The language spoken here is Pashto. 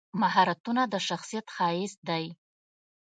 مهارتونه د شخصیت ښایست دی.